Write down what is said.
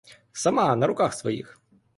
Сама, на руках своїх.